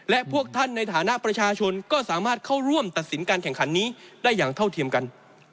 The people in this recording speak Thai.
และพวกท่านในฐานะประชาชนก็สามารถเข้าร่วมตัดสินการแข่งขันนี้ได้อย่างเท่าเทียมกัน